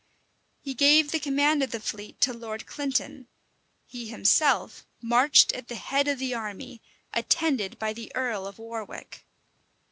He gave the command of the fleet to Lord Clinton; he himself marched at the head of the army, attended by the earl of Warwick.